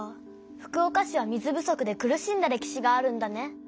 福岡市は水不足で苦しんだ歴史があるんだね。